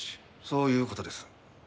そういう事です。